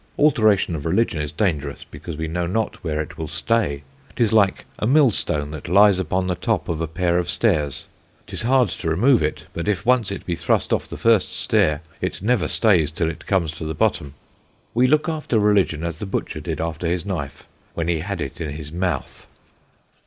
Alteration of Religion is dangerous, because we know not where it will stay: 'tis like a Millstone that lies upon the top of a pair of Stairs; 'tis hard to remove it, but if once it be thrust off the first Stair, it never stays till it comes to the bottom. We look after Religion as the Butcher did after his Knife, when he had it in his Mouth.